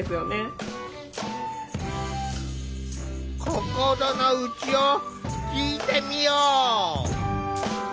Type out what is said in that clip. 心の内を聞いてみよう。